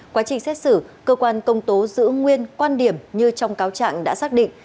quá trình xét xử cơ quan công tố giữ nguyên quan điểm như trong cáo trạng đã xác định